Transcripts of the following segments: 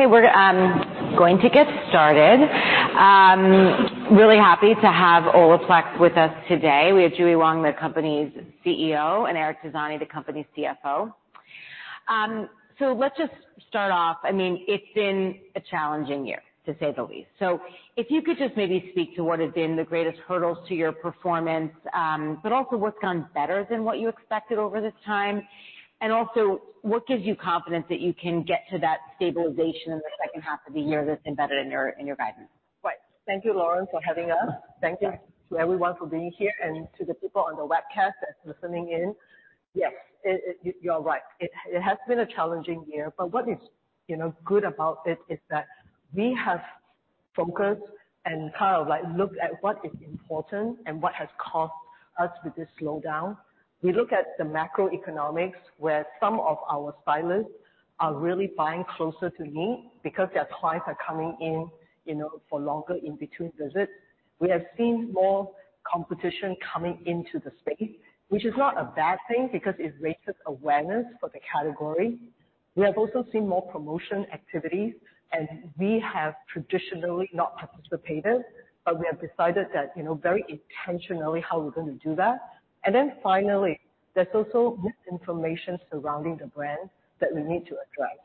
Hey, we're going to get started. Really happy to have Olaplex with us today. We have JuE Wong, the company's CEO, and Eric Tiziani, the company's CFO. So let's just start off. I mean, it's been a challenging year, to say the least. So if you could just maybe speak to what has been the greatest hurdles to your performance, but also what's gone better than what you expected over this time? And also, what gives you confidence that you can get to that stabilization in the second half of the year that's embedded in your guidance? Right. Thank you, Lauren, for having us. Thank you to everyone for being here and to the people on the webcast that's listening in. Yes, you're right. It has been a challenging year, but what is, you know, good about it is that we have focused and kind of, like, looked at what is important and what has caused us with this slowdown. We look at the macroeconomics, where some of our stylists are really buying closer to need because their clients are coming in, you know, for longer in between visits. We have seen more competition coming into the space, which is not a bad thing because it raises awareness for the category. We have also seen more promotion activities, and we have traditionally not participated, but we have decided that, you know, very intentionally how we're going to do that. And then finally, there's also misinformation surrounding the brand that we need to address.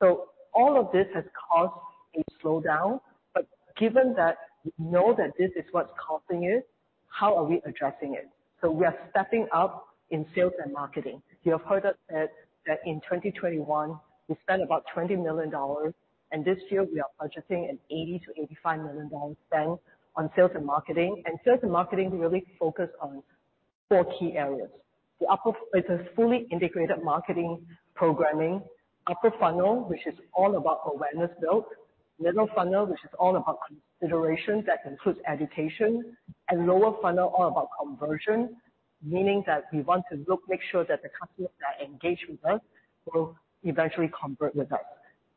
So all of this has caused a slowdown, but given that we know that this is what's causing it, how are we addressing it? So we are stepping up in sales and marketing. You have heard us said that in 2021, we spent about $20 million, and this year we are budgeting an $80 million-$85 million spend on sales and marketing. And sales and marketing really focus on four key areas. It's a fully integrated marketing programming. Upper funnel, which is all about awareness build. Middle funnel, which is all about consideration, that includes education. And lower funnel, all about conversion, meaning that we want to look, make sure that the customers that engage with us will eventually convert with us.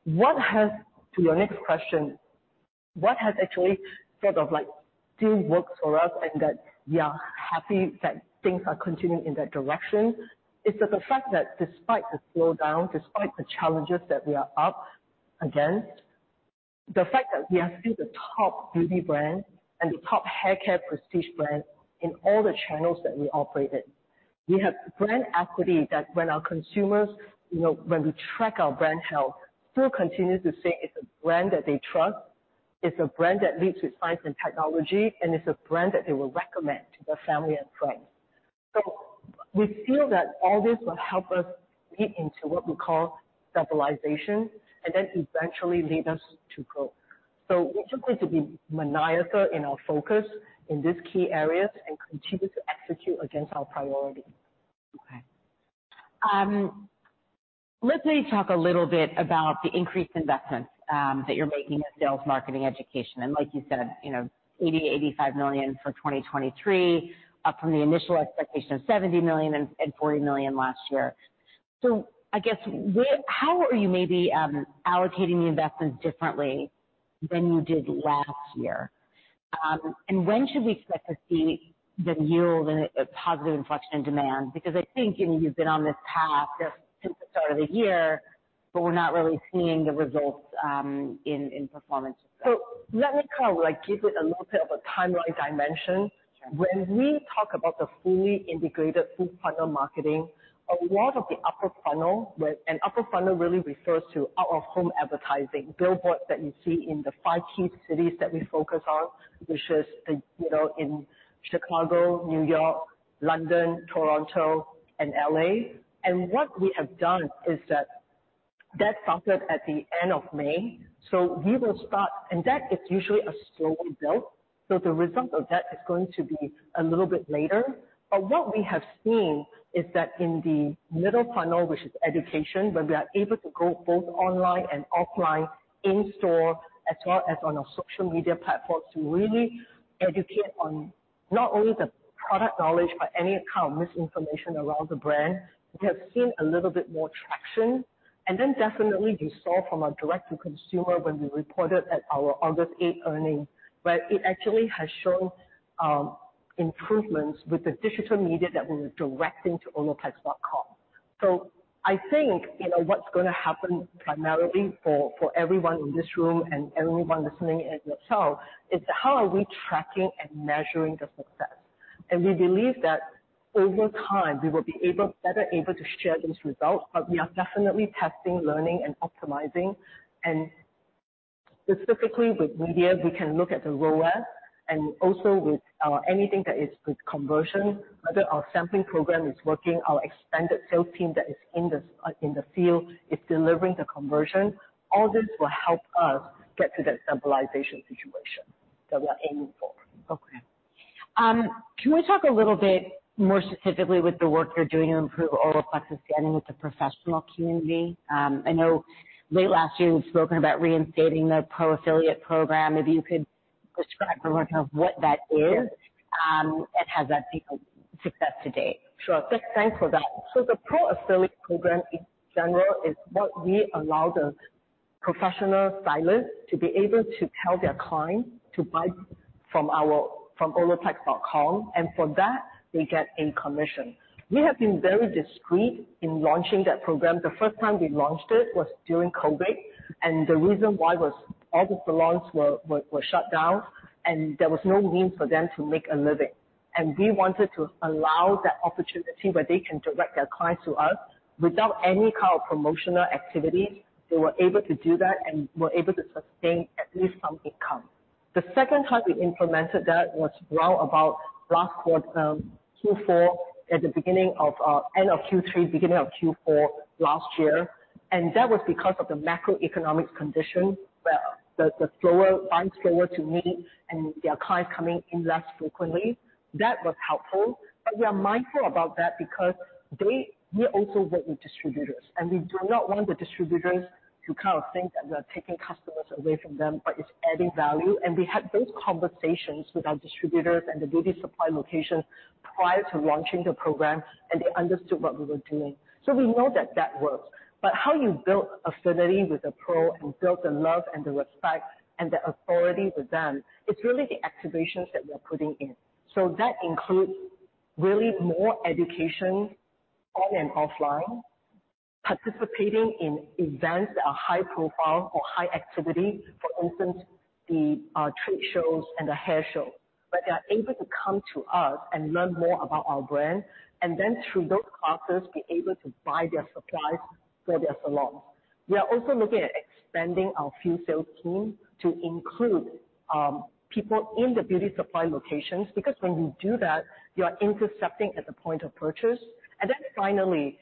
What has... To your next question, what has actually sort of, like, still worked for us and that we are happy that things are continuing in that direction, is that the fact that despite the slowdown, despite the challenges that we are up against, the fact that we are still the top beauty brand and the top hair care prestige brand in all the channels that we operate in. We have brand equity that when our consumers, you know, when we track our brand health, still continues to say it's a brand that they trust, it's a brand that leads with science and technology, and it's a brand that they will recommend to their family and friends. So we feel that all this will help us get into what we call stabilization and then eventually lead us to growth. We're just going to be maniacal in our focus in these key areas and continue to execute against our priority. Okay. Let me talk a little bit about the increased investments that you're making in sales, marketing, education. And like you said, you know, $85 million for 2023, up from the initial expectation of $70 million and $40 million last year. So I guess how are you maybe allocating the investments differently than you did last year? And when should we expect to see the yield and a positive inflection in demand? Because I think, you know, you've been on this path since the start of the year, but we're not really seeing the results in performance. Let me kind of, like, give it a little bit of a timeline dimension. Sure. When we talk about the fully integrated full funnel marketing, a lot of the upper funnel, where... upper funnel really refers to out-of-home advertising, billboards that you see in the five key cities that we focus on, which is the, you know, in Chicago, New York, London, Toronto and L.A. What we have done is that, that started at the end of May, so we will start. That is usually a slower build, so the result of that is going to be a little bit later. But what we have seen is that in the middle funnel, which is education, where we are able to go both online and offline, in store, as well as on our social media platforms, to really educate on not only the product knowledge, but any kind of misinformation around the brand. We have seen a little bit more traction. You saw from our direct-to-consumer when we reported at our August 8 earnings, where it actually has shown, you know, improvements with the digital media that we were directing to olaplex.com. I think, you know, what's going to happen primarily for everyone in this room and everyone listening in yourself, is how are we tracking and measuring the success? We believe that over time we will be better able to share these results, but we are definitely testing, learning, and optimizing. Specifically with media, we can look at the ROAS and also with anything that is with conversion, whether our sampling program is working, our expanded sales team that is in the field is delivering the conversion. All this will help us get to that stabilization situation that we are aiming for. Okay. Can we talk a little bit more specifically with the work you're doing to improve Olaplex's standing with the professional community? I know late last year you had spoken about reinstating the Pro Affiliate Program. Maybe you could describe for more of what that is, and has that been a success to date? Sure. Thanks for that. So the Pro Affiliate program in general is what we allow the professional stylists to be able to tell their clients to buy from our, from Olaplex.com, and for that, they get a commission. We have been very discreet in launching that program. The first time we launched it was during COVID, and the reason why was all the salons were shut down, and there was no means for them to make a living. And we wanted to allow that opportunity where they can direct their clients to us without any kind of promotional activity. They were able to do that and were able to sustain at least some income. The second time we implemented that was around about last quarter, Q4, at the beginning of end of Q3, beginning of Q4 last year, and that was because of the macroeconomic conditions, where the slower clients slower to meet and their clients coming in less frequently. That was helpful, but we are mindful about that because we also work with distributors, and we do not want the distributors to kind of think that we are taking customers away from them, but it's adding value. And we had those conversations with our distributors and the beauty supply location prior to launching the program, and they understood what we were doing. So we know that that works. But how you build affinity with a pro and build the love and the respect and the authority with them, it's really the activations that we're putting in. So that includes really more education on and offline, participating in events that are high profile or high activity. For instance, the trade shows and the hair shows, where they are able to come to us and learn more about our brand, and then through those classes, be able to buy their supplies for their salons. We are also looking at expanding our field sales team to include people in the beauty supply locations, because when you do that, you are intercepting at the point of purchase. Then finally,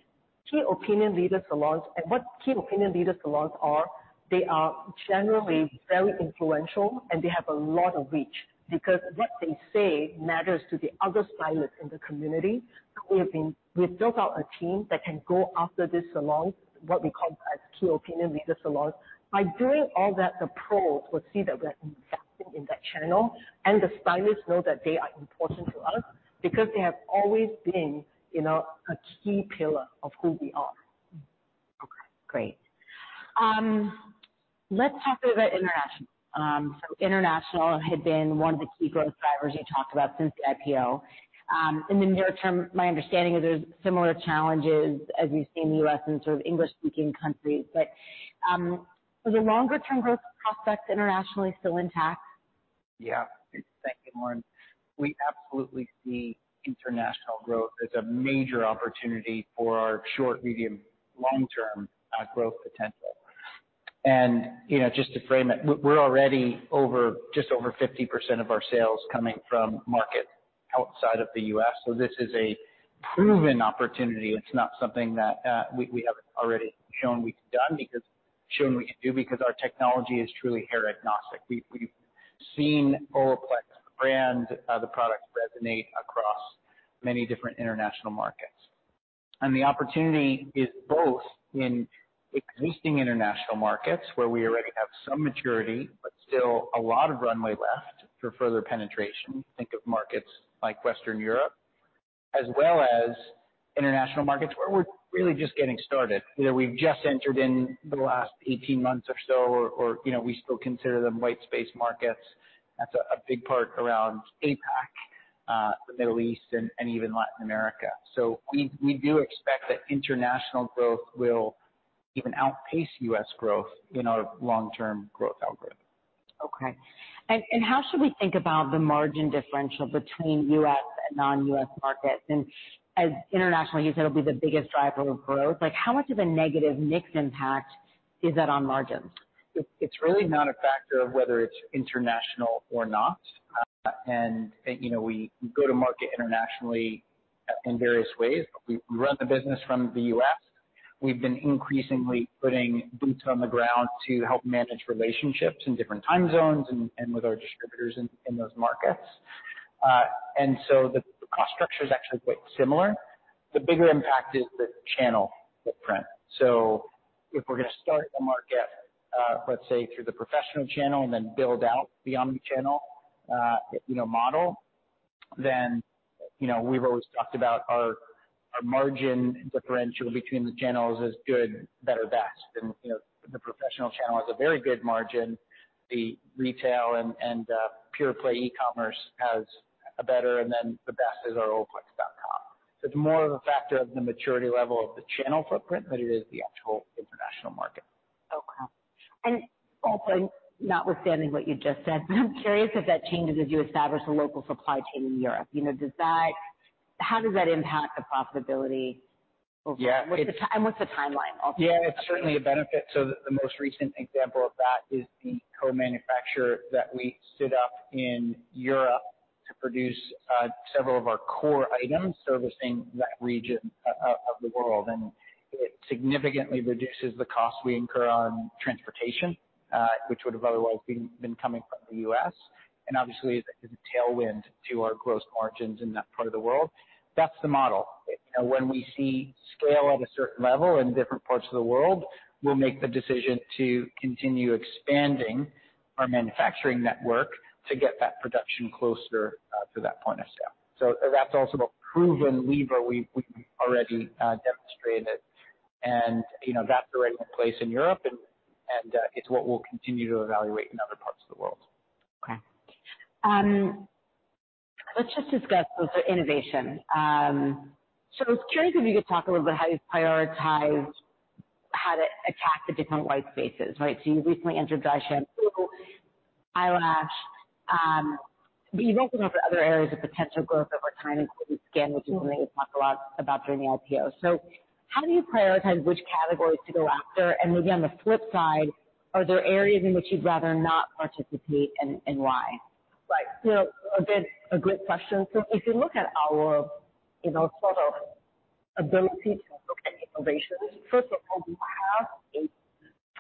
Key Opinion Leader salons. What Key Opinion Leader salons are, they are generally very influential, and they have a lot of reach, because what they say matters to the other stylists in the community. So we've built out a team that can go after these salons, what we call as Key Opinion Leader salons. By doing all that, the pros will see that we're investing in that channel, and the stylists know that they are important to us because they have always been, you know, a key pillar of who we are. Okay, great. Let's talk a bit about international. So international had been one of the key growth drivers you talked about since the IPO. And in near term, my understanding is there's similar challenges as we see in the U.S. and sort of English-speaking countries. But, are the longer-term growth prospects internationally still intact? Yeah. Thank you, Lauren. We absolutely see international growth as a major opportunity for our short, medium, long-term growth potential. And, you know, just to frame it, we're already over, just over 50% of our sales coming from markets outside of the U.S., so this is a proven opportunity. It's not something that we haven't already shown we can do because our technology is truly hair agnostic. We've seen Olaplex brand the products resonate across many different international markets. And the opportunity is both in existing international markets, where we already have some maturity, but still a lot of runway left for further penetration. Think of markets like Western Europe, as well as international markets, where we're really just getting started. You know, we've just entered in the last 18 months or so, you know, we still consider them white space markets. That's a big part around APAC, the Middle East and even Latin America. So we do expect that international growth will even outpace U.S. growth in our long-term growth algorithm. Okay. And how should we think about the margin differential between U.S. and non-U.S. markets? And as international, you said, will be the biggest driver of growth, like, how much of a negative mix impact is that on margins? It's, it's really not a factor of whether it's international or not. And, you know, we go to market internationally, in various ways. We run the business from the U.S. We've been increasingly putting boots on the ground to help manage relationships in different time zones and, and with our distributors in, in those markets. And so the cost structure is actually quite similar. The bigger impact is the channel footprint. So if we're going to start a market, let's say, through the professional channel and then build out beyond the channel, you know, model, then, you know, we've always talked about our, our margin differential between the channels is good, better, best. And, you know, the professional channel has a very good margin. The retail and, and, pure play e-commerce has a better, and then the best is our Olaplex.com. So it's more of a factor of the maturity level of the channel footprint than it is the actual international market. Okay. And also, notwithstanding what you just said, but I'm curious if that changes as you establish a local supply chain in Europe. You know, does that-- how does that impact the profitability over- Yeah. What's the timeline also? Yeah, it's certainly a benefit. So the most recent example of that is the co-manufacturer that we stood up in Europe to produce several of our core items servicing that region of the world. And it significantly reduces the cost we incur on transportation, which would have otherwise been coming from the U.S. And obviously, it's a tailwind to our gross margins in that part of the world. That's the model. And when we see scale at a certain level in different parts of the world, we'll make the decision to continue expanding our manufacturing network to get that production closer to that point of sale. So that's also the proven lever we've already demonstrated. ...And, you know, that's already in place in Europe, and it's what we'll continue to evaluate in other parts of the world. Okay. Let's just discuss also innovation. So I was curious if you could talk a little bit how you've prioritized how to attack the different white spaces, right? So you recently introduced dry shampoo, eyelash, but you've opened up other areas of potential growth over time, including skin, which is something you talked a lot about during the IPO. So how do you prioritize which categories to go after? And maybe on the flip side, are there areas in which you'd rather not participate, and, and why? Right. So a good, a great question. So if you look at our, you know, sort of ability to look at innovations, first of all, we have a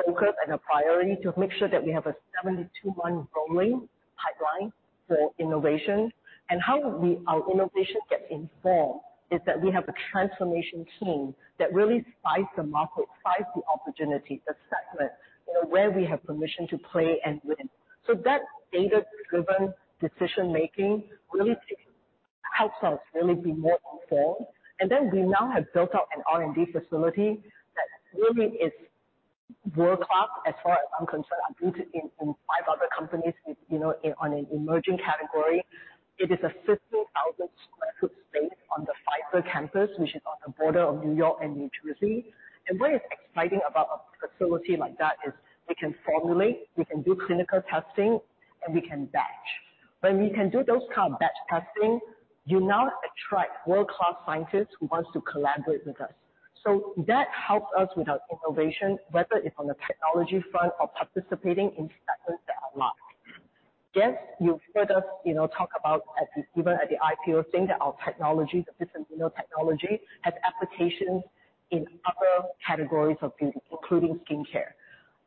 focus and a priority to make sure that we have a 72-month rolling pipeline for innovation. And how our innovation gets informed is that we have a transformation team that really spies the market, spies the opportunities, the segments, you know, where we have permission to play and win. So that data-driven decision making really helps us really be more informed. And then we now have built out an R&D facility that really is world-class, as far as I'm concerned. I've been in five other companies with, you know, on an emerging category. It is a 60,000 sq ft space on the Pfizer campus, which is on the border of New York and New Jersey. What is exciting about a facility like that is we can formulate, we can do clinical testing, and we can batch. When we can do those kind of batch testing, you now attract world-class scientists who wants to collaborate with us. So that helps us with our innovation, whether it's on the technology front or participating in segments that are market. Yes, you've heard us, you know, talk about at the, even at the IPO, saying that our technology, the system nanotechnology, has applications in other categories of beauty, including skincare.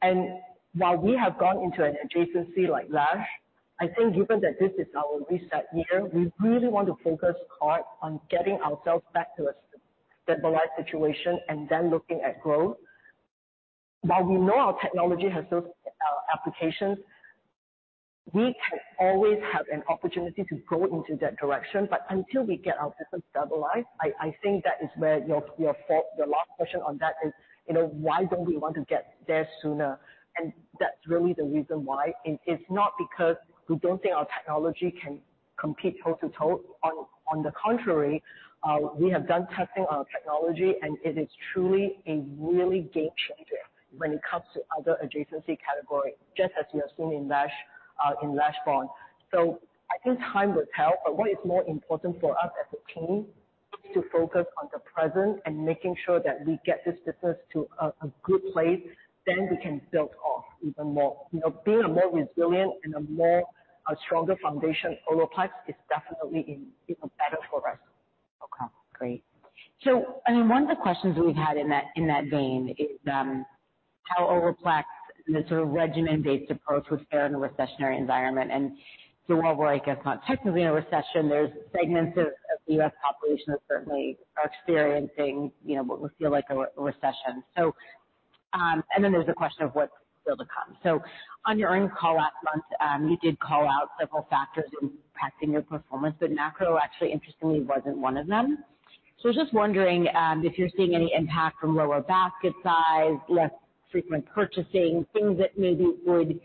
And while we have gone into an adjacency like lash, I think given that this is our reset year, we really want to focus hard on getting ourselves back to a stabilized situation and then looking at growth. While we know our technology has those applications, we can always have an opportunity to go into that direction, but until we get our business stabilized, I think that is where your fourth—your last question on that is, you know, why don't we want to get there sooner? That's really the reason why. It's not because we don't think our technology can compete toe-to-toe. On the contrary, we have done testing on our technology, and it is truly a really game changer when it comes to other adjacency category, just as you have seen in LASHBOND. I think time will tell, but what is more important for us as a team is to focus on the present and making sure that we get this business to a good place, then we can build off even more. You know, being a more resilient and a stronger foundation, Olaplex is definitely even better for us. Okay, great. So, I mean, one of the questions we've had in that vein is how Olaplex and the sort of regimen-based approach would fare in a recessionary environment. And so while we're, I guess, not technically in a recession, there's segments of the U.S. population that certainly are experiencing, you know, what would feel like a recession. So, and then there's the question of what's still to come. So on your earnings call last month, you did call out several factors impacting your performance, but macro actually, interestingly, wasn't one of them. So I was just wondering if you're seeing any impact from lower basket size, less frequent purchasing, things that maybe would...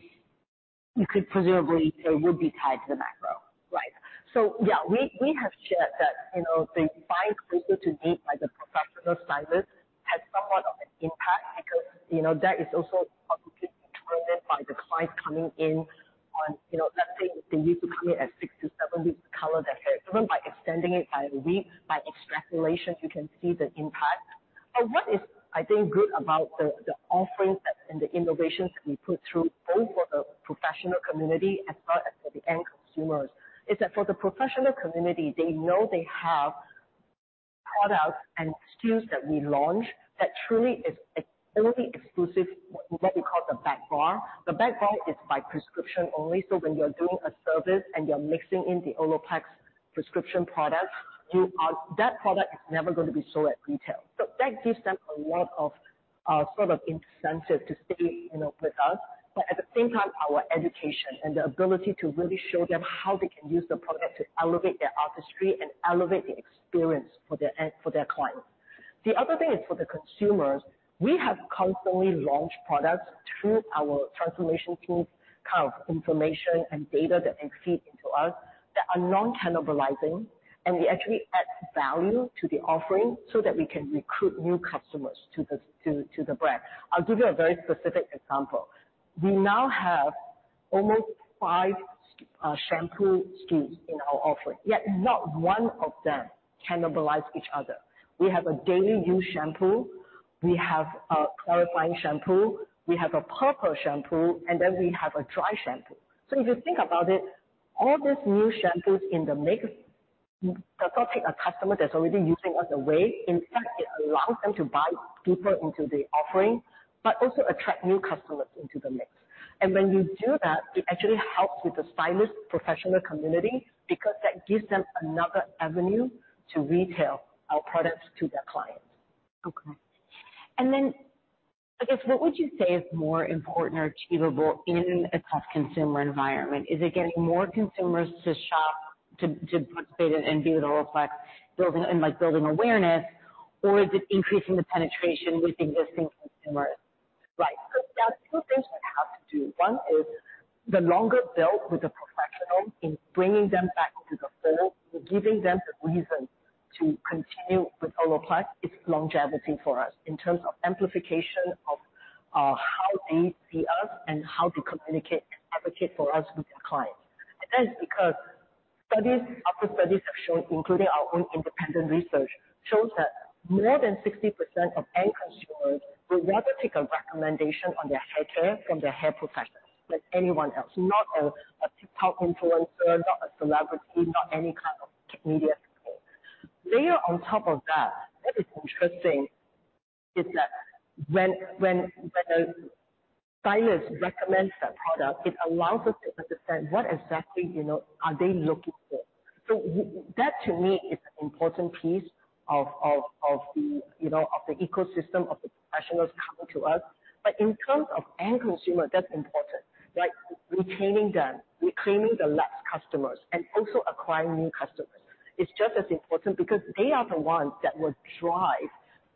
you could presumably say would be tied to the macro. Right. So yeah, we have shared that, you know, the buy frequency by the professional stylist has somewhat of an impact because, you know, that is also ultimately determined by the clients coming in on, you know, let's say they used to come in at 6-7 weeks color their hair. Even by extending it by a week, by extrapolation, you can see the impact. But what is, I think, good about the offerings and the innovations that we put through, both for the professional community as well as for the end consumers, is that for the professional community, they know they have products and SKUs that we launch that truly is exclusively exclusive, what we call the back bar. The back bar is by prescription only. So when you're doing a service and you're mixing in the Olaplex prescription product, you are—that product is never going to be sold at retail. So that gives them a lot of sort of incentive to stay, you know, with us. But at the same time, our education and the ability to really show them how they can use the product to elevate their artistry and elevate the experience for their end, for their clients. The other thing is for the consumers, we have constantly launched products through our transformation tools, kind of information and data that they feed into us, that are non-cannibalizing, and they actually add value to the offering so that we can recruit new customers to the, to, to the brand. I'll give you a very specific example. We now have almost five shampoo SKUs in our offering, yet not one of them cannibalize each other. We have a daily use shampoo, we have a clarifying shampoo, we have a purple shampoo, and then we have a dry shampoo. So if you think about it, all these new shampoos in the mix does not take a customer that's already using us away. In fact, it allows them to buy deeper into the offering, but also attract new customers into the mix. And when you do that, it actually helps with the stylist professional community, because that gives them another avenue to retail our products to their clients. Okay. I guess, what would you say is more important or achievable in a tough consumer environment? Is it getting more consumers to shop, to participate in Beauty Olaplex, building, and like building awareness, or is it increasing the penetration with existing consumers? Right. So that's two things we have to do. One is the longer build with the professional in bringing them back into the fold and giving them the reason to continue with Olaplex, is longevity for us in terms of amplification of, how they see us and how to communicate and advocate for us with their clients. And that's because studies upon studies have shown, including our own independent research, shows that more than 60% of end consumers would rather take a recommendation on their hair care from their hair professionals than anyone else. Not a TikTok influencer, not a celebrity, not any kind of media person. Layer on top of that, what is interesting is that when a stylist recommends that product, it allows us to understand what exactly, you know, are they looking for. So that, to me, is an important piece of the ecosystem of the professionals coming to us. But in terms of end consumer, that's important, like retaining them, reclaiming the lapsed customers and also acquiring new customers is just as important because they are the ones that will drive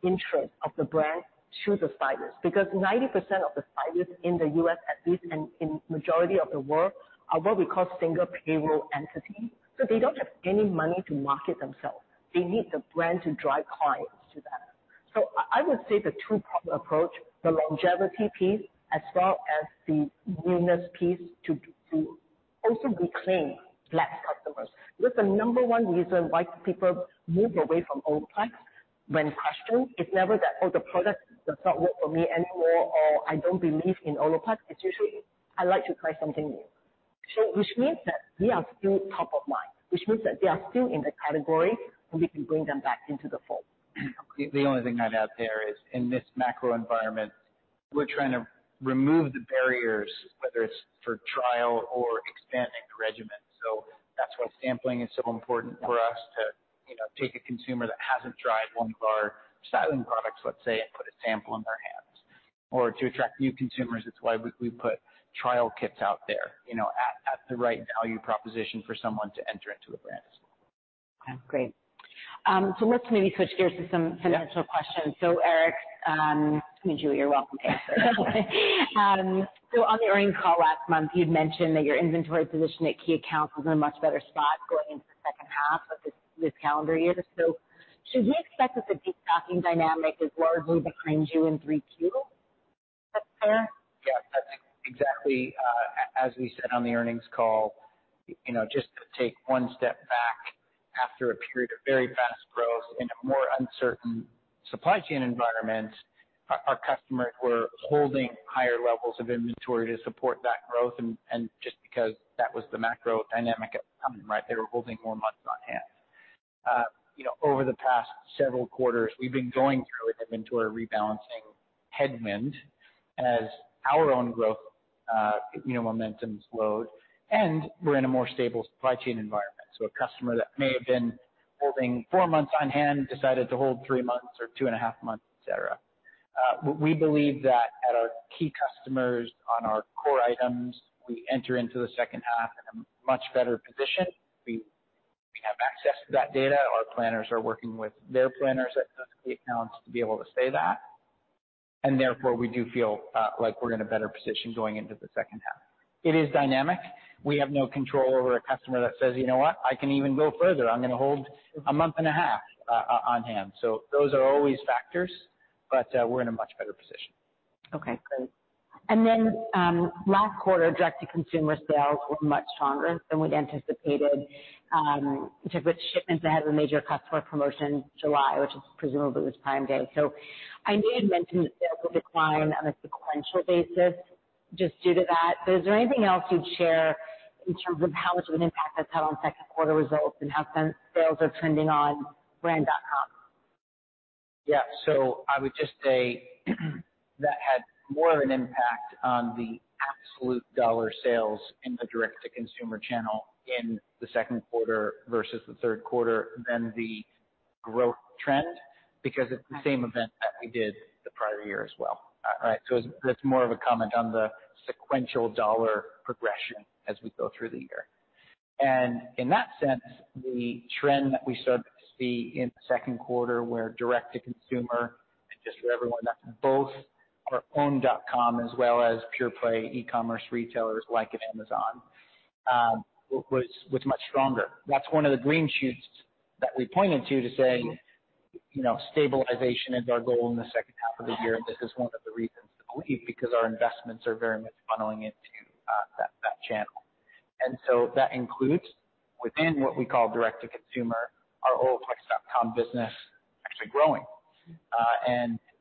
interest of the brand to the stylists. Because 90% of the stylists in the U.S., at least, and in majority of the world, are what we call single payroll entity. So they don't have any money to market themselves. They need the brand to drive clients to them. So I would say the two-pronged approach, the longevity piece as well as the newness piece, to also reclaim lapsed customers. That's the number one reason why people move away from Olaplex when questioned. It's never that, "Oh, the product does not work for me anymore," or, "I don't believe in Olaplex." It's usually: "I'd like to try something new." So which means that we are still top of mind, which means that they are still in the category, and we can bring them back into the fold. The only thing I'd add there is, in this macro environment, we're trying to remove the barriers, whether it's for trial or expanding the regimen. So that's why sampling is so important for us to, you know, take a consumer that hasn't tried one of our styling products, let's say, and put a sample in their hands. Or to attract new consumers, it's why we put trial kits out there, you know, at the right value proposition for someone to enter into a brand. Okay, great. So let's maybe switch gears to some financial questions. So Eric, and Jue, you're welcome to answer. So on the earnings call last month, you'd mentioned that your inventory position at key accounts was in a much better spot going into the second half of this calendar year. So should we expect that the destocking dynamic is largely behind you in Q3? Is that fair? Yes, I think exactly, as we said on the earnings call, you know, just to take one step back, after a period of very fast growth in a more uncertain supply chain environment, our customers were holding higher levels of inventory to support that growth. And just because that was the macro dynamic that was coming, right? They were holding more months on hand. You know, over the past several quarters, we've been going through an inventory rebalancing headwind as our own growth, you know, momentum slowed, and we're in a more stable supply chain environment. So a customer that may have been holding four months on hand decided to hold three months or two and a half months, et cetera. We believe that at our key customers on our core items, we enter into the second half in a much better position. We have access to that data. Our planners are working with their planners at the accounts to be able to say that, and therefore, we do feel like we're in a better position going into the second half. It is dynamic. We have no control over a customer that says, "You know what? I can even go further. I'm going to hold a month and a half on hand." So those are always factors, but we're in a much better position. Okay, great. And then, last quarter, direct-to-consumer sales were much stronger than we'd anticipated, in terms of shipments that had a major customer promotion in July, which presumably was Prime Day. So I know you'd mentioned that sales will decline on a sequential basis just due to that. But is there anything else you'd share in terms of how much of an impact that's had on second quarter results and how sales are trending on brand.com? Yeah. So I would just say, that had more of an impact on the absolute dollar sales in the direct-to-consumer channel in the second quarter versus the third quarter than the growth trend, because it's the same event that we did the prior year as well. So that's more of a comment on the sequential dollar progression as we go through the year. And in that sense, the trend that we started to see in the second quarter, where direct-to-consumer, and just for everyone, that's both our own .com as well as pure play e-commerce retailers like Amazon, was much stronger. That's one of the green shoots that we pointed to, to say, you know, stabilization is our goal in the second half of the year, and this is one of the reasons to believe, because our investments are very much funneling into that channel. And so that includes, within what we call direct to consumer, our Olaplex.com business actually growing.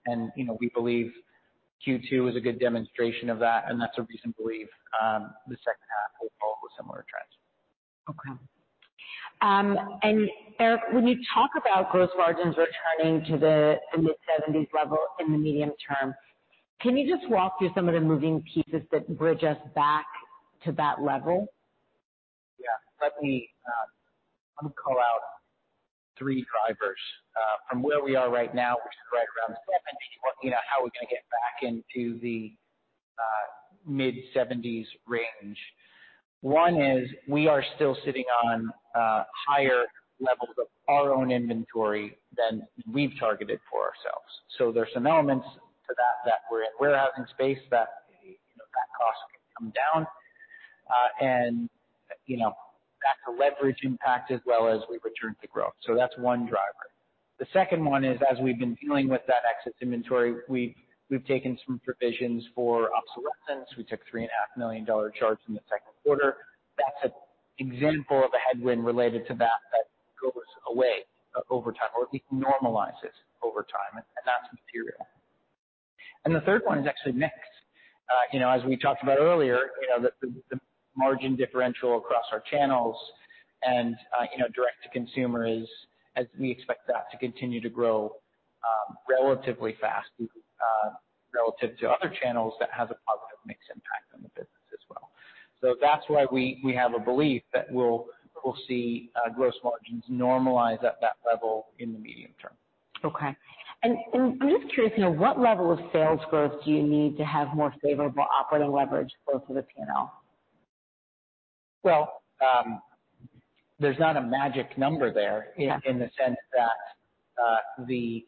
And you know, we believe Q2 is a good demonstration of that, and that's a reason to believe the second half will follow with similar trends. Okay. Eric, when you talk about gross margins returning to the mid-seventies level in the medium term, can you just walk through some of the moving pieces that bring us back to that level? Yeah. Three drivers. From where we are right now, which is right around 70, you know, how are we gonna get back into the mid-70s range? One is we are still sitting on higher levels of our own inventory than we've targeted for ourselves. So there's some elements to that, that we're in warehousing space that, you know, that cost can come down. And, you know, back to leverage impact as well as we return to growth. So that's one driver. The second one is, as we've been dealing with that excess inventory, we've taken some provisions for obsolescence. We took $3.5 million charge in the second quarter. That's an example of a headwind related to that that goes away over time, or at least normalizes over time, and that's material. And the third one is actually mix. You know, as we talked about earlier, you know, the margin differential across our channels and, you know, direct to consumer is, as we expect that to continue to grow, relatively fast, relative to other channels, that has a positive mix impact on the business as well. So that's why we have a belief that we'll see gross margins normalize at that level in the medium term. Okay. And, I'm just curious, you know, what level of sales growth do you need to have more favorable operating leverage both to the P&L? Well, there's not a magic number there- Yeah. in the sense that the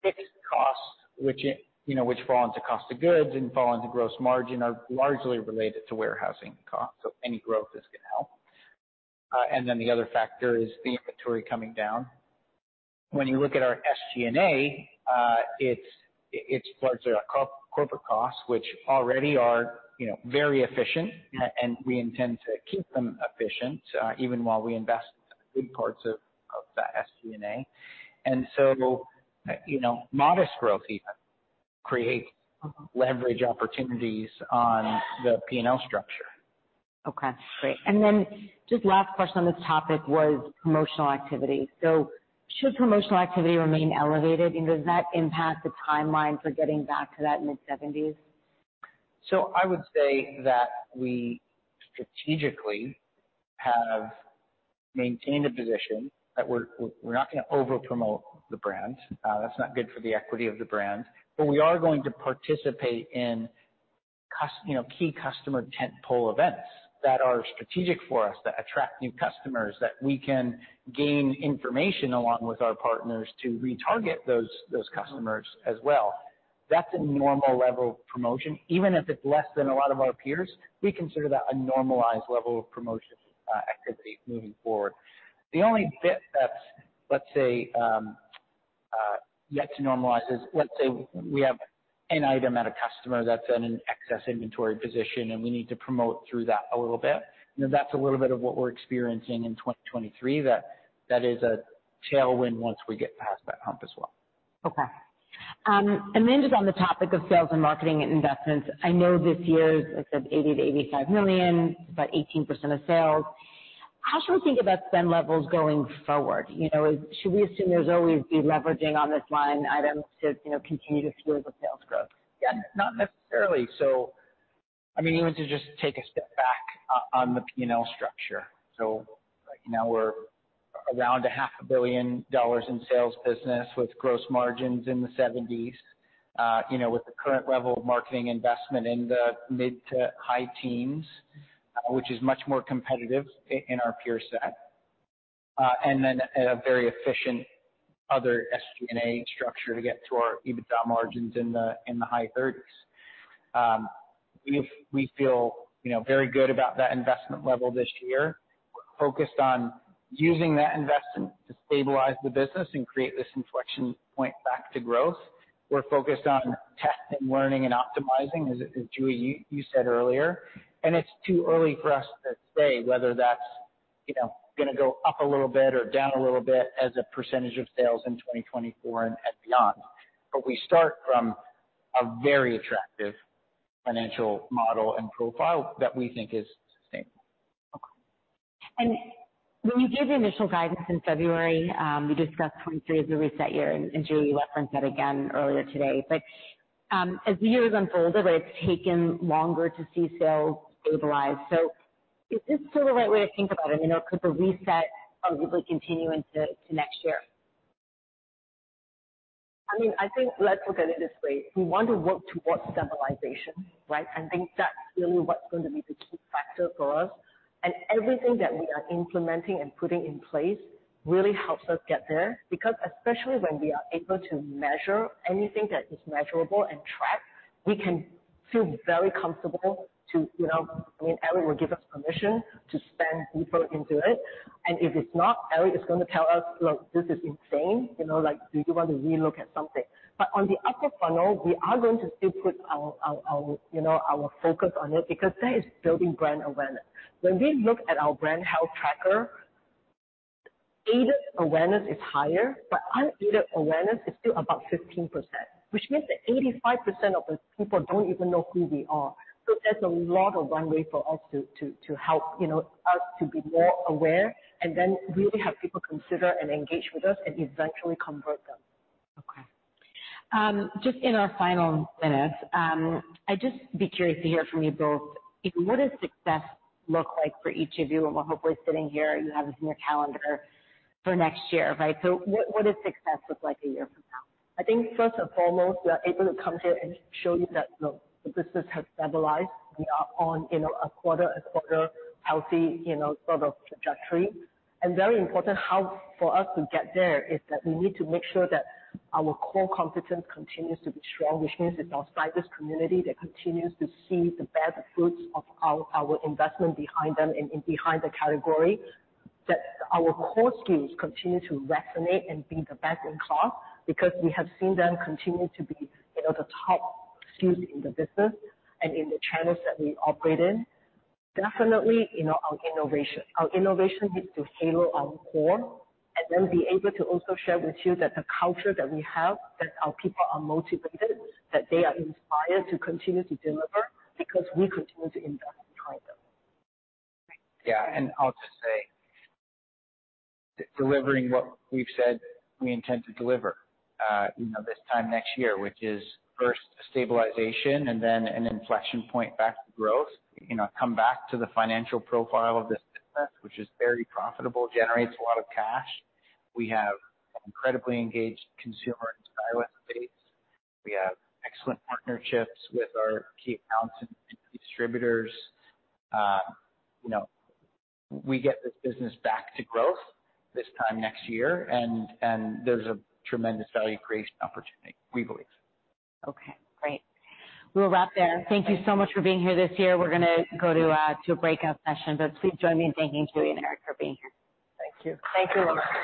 fixed costs, which, you know, which fall into cost of goods and fall into gross margin, are largely related to warehousing costs, so any growth is gonna help. And then the other factor is the inventory coming down. When you look at our SG&A, it's largely a corporate cost, which already are, you know, very efficient- Yeah. and we intend to keep them efficient, even while we invest in parts of the SG&A. And so, you know, modest growth even create leverage opportunities on the P&L structure. Okay, great. And then just last question on this topic was promotional activity. So should promotional activity remain elevated, and does that impact the timeline for getting back to that mid-seventies? So I would say that we strategically have maintained a position that we're not gonna over promote the brand. That's not good for the equity of the brand. But we are going to participate in you know, key customer tentpole events that are strategic for us, that attract new customers, that we can gain information along with our partners to retarget those customers as well. That's a normal level of promotion. Even if it's less than a lot of our peers, we consider that a normalized level of promotion, activity moving forward. The only bit that's, let's say, yet to normalize, is, let's say we have an item at a customer that's in an excess inventory position, and we need to promote through that a little bit. You know, that's a little bit of what we're experiencing in 2023, that is a tailwind once we get past that hump as well. Okay. And then just on the topic of sales and marketing investments, I know this year, like I said, $80 million-$85 million, about 18% of sales. How should we think about spend levels going forward? You know, should we assume there's always de-leveraging on this line item to, you know, continue to fuel the sales growth? Yeah, not necessarily. So, I mean, even to just take a step back on the P&L structure. So, you know, we're around $500 million in sales business with gross margins in the 70s%. You know, with the current level of marketing investment in the mid- to high teens%, which is much more competitive in our peer set. And then a very efficient other SG&A structure to get to our EBITDA margins in the high 30s%. We feel, you know, very good about that investment level this year. We're focused on using that investment to stabilize the business and create this inflection point back to growth. We're focused on testing, learning, and optimizing, as Jue, you said earlier. It's too early for us to say whether that's, you know, gonna go up a little bit or down a little bit as a percentage of sales in 2024 and beyond. We start from a very attractive financial model and profile that we think is sustainable. Okay. When you gave the initial guidance in February, you discussed 2023 as a reset year, and Jue referenced that again earlier today. But as the year has unfolded, but it's taken longer to see sales stabilize. So is this still the right way to think about it? You know, could the reset probably continue into, to next year? I mean, I think let's look at it this way: We want to work towards stabilization, right? I think that's really what's going to be the key factor for us. Everything that we are implementing and putting in place really helps us get there, because especially when we are able to measure anything that is measurable and track, we can feel very comfortable to... You know, I mean, Eric will give us permission to spend deeper into it, and if it's not, Eric is gonna tell us, "Look, this is insane." You know, like, "Do you want to relook at something?" On the upper funnel, we are going to still put our, our, our, you know, our focus on it, because that is building brand awareness. When we look at our brand health tracker, aided awareness is higher, but unaided awareness is still about 15%, which means that 85% of the people don't even know who we are. So there's a lot of runway for us to help, you know, us to be more aware and then really have people consider and engage with us and eventually convert them. Okay. Just in our final minutes, I'd just be curious to hear from you both, what does success look like for each of you? And we're hopefully sitting here, you have this in your calendar for next year, right? So what does success look like a year from now? I think first and foremost, we are able to come here and show you that, look, the business has stabilized. We are on, you know, a quarter and quarter healthy, you know, sort of trajectory. Very important, how for us to get there is that we need to make sure that our core competence continues to be strong, which means it's our stylist community that continues to see the best fruits of our investment behind them and behind the category. That our core SKUs continue to resonate and be the best in class, because we have seen them continue to be, you know, the top SKUs in the business and in the channels that we operate in. Definitely, you know, our innovation. Our innovation is to halo our core and then be able to also share with you that the culture that we have, that our people are motivated, that they are inspired to continue to deliver, because we continue to invest behind them. Yeah, and I'll just say, delivering what we've said we intend to deliver, you know, this time next year, which is first, stabilization and then an inflection point back to growth. You know, come back to the financial profile of this business, which is very profitable, generates a lot of cash. We have incredibly engaged consumer and stylist base. We have excellent partnerships with our key accounts and distributors. You know, we get this business back to growth this time next year, and, and there's a tremendous value creation opportunity, we believe. Okay, great. We'll wrap there. Thank you so much for being here this year. We're gonna go to a breakout session, but please join me in thanking Jue and Eric for being here. Thank you. Thank you very much.